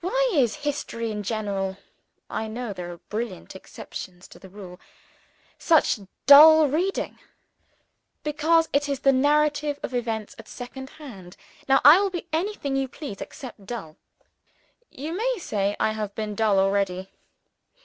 Why is History in general (I know there are brilliant exceptions to the rule) such dull reading? Because it is the narrative of events, written at second hand. Now I will be anything else you please, except dull. You may say I have been dull already?